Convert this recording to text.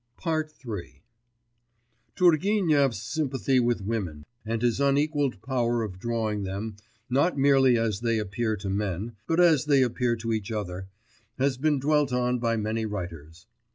III Turgenev's sympathy with women and his unequalled power of drawing them, not merely as they appear to men, but as they appear to each other, has been dwelt on by many writers.